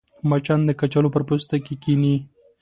مچان د کچالو پر پوستکي کښېني